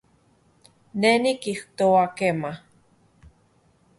Ne nikijtoa kema